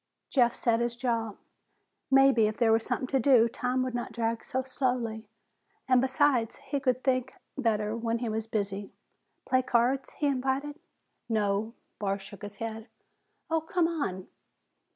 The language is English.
Jeff set his jaw. Maybe, if there was something to do, time would not drag so slowly and, besides, he could think better when he was busy. "Play cards?" he invited. "No." Barr shook his head. "Oh, come on!"